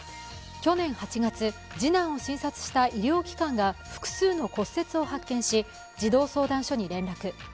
去年８月、次男を診察した医療機関が複数の骨折を発見し児童相談所に連絡。